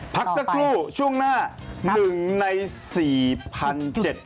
พักสักครู่ช่วงหน้า๑ใน๔๗๐๐บาท